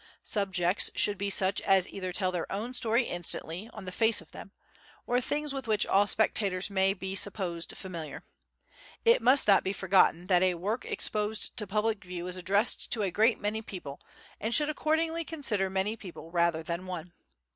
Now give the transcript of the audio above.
Subjects should be such as either tell their own story instantly on the face of them, or things with which all spectators may be supposed familiar. It must not be forgotten that a work exposed to public view is addressed to a great many people and should accordingly consider many people rather than one.